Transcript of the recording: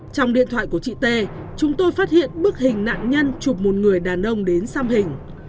trong điện thoại của chị t chúng tôi phát hiện bức hình nạn nhân chụp một người đàn ông đến xăm hình